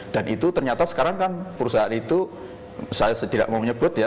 dan itu ternyata sekarang kan perusahaan itu saya tidak mau menyebut ya